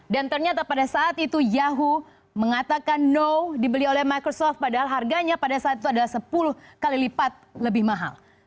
dan ternyata pada saat itu yahoo mengatakan no dibeli oleh microsoft padahal harganya pada saat itu adalah sepuluh kali lipat lebih mahal